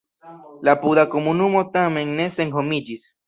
La apuda komunumo tamen ne senhomiĝis.